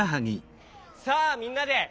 さあみんなで。